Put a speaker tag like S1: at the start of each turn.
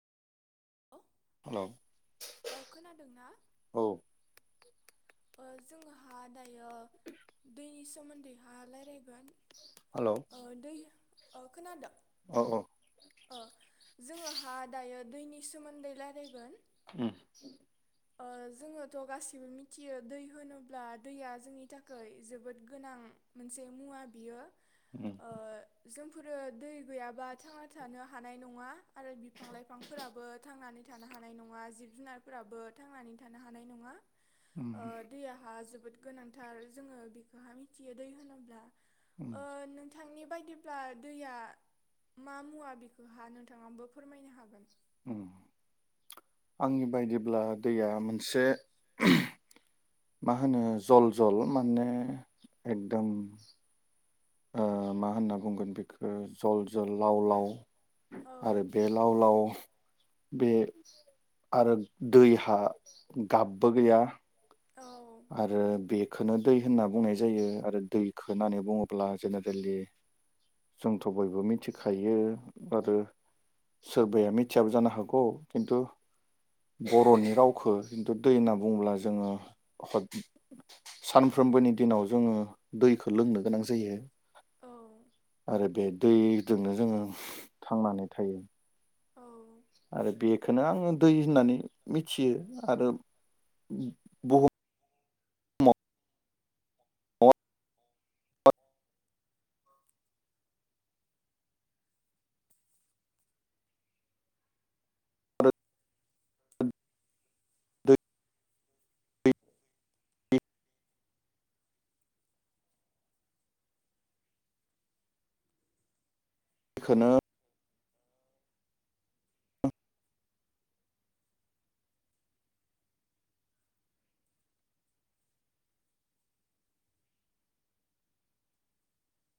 S1: [unintelligible]
S2: हेल'
S1: औ खोनादों ना जोङोहा दायो दैनि सोमोन्दैहाय रायज्लायगोन
S2: हेल'
S1: अ खोनादों?
S2: औ औ
S1: ओ जोङोहा दायो दैनि सोमोन्दै रायलायगोन
S2: उम
S1: ओ जोङोथ' गासिबो मिथियो दै होनोब्ला दैया जोंनि थाखाय जोबोद गोनां मोनसे मुवा। बियो
S2: उम
S1: ओ जोंफोरो दै गैयाबा थाङा हानाय नङा आरो बिफां लाइफांबो थांनानै थानो हानाय नङा जिब जुनारफोराबो थांनानै थानो हानाय नङा ओ
S2: उम
S1: दैहा जोबोद गोनांथार जोङो बेखौ मिथियो दै होनोब्ला
S2: उम
S1: ओ नोंथांनि बायदिब्ला दैया मा मुवा बिखौहा नोंथाङाबबो फोरमायनो हागोन
S2: औ आंनि बायदिब्ला दैया मोनसे मा होनो जल जल माने एकदम ओ मा होनना बुंगोन बेखो जल जल लाव लाव
S1: औ
S2: आरो बे लाव लाल बे आरो दैहा गाबबो गैया
S1: औ
S2: आरो बेखौनो दै होनना बुंनाय जायो आरो दैखौ होननानै बुङोब्ला जेनेरेलि जोंथ' बयबो मिथिखायो आरो सोरबाया मिथियाबो जानो हागौ खिन्थु बर'नि रावखौ खिन्थु दै होनना बुङोब्ला जोङो सानफ्रोमबोनि दिनाव जोङो दैखौ लोंनो गोनां जायो
S1: औ
S2: आरो बे दैजोंनो जोङो थांनानै थायो
S1: औ
S2: आरो बेखौनो आङो दै होननानै मिथियो आरो बुहुम [unintelligible] बेखोनो